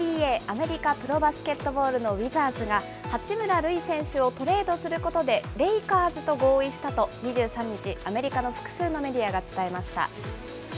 ＮＢＡ・アメリカプロバスケットボールのウィザーズが、八村塁選手をトレードすることでレイカーズと合意したと２３日、アメリカの複数のメディアが伝えました。